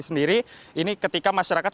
sendiri ini ketika masyarakat